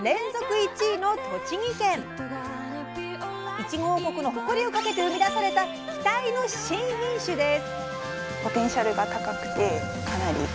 いちご王国の誇りをかけて生み出された期待の新品種です。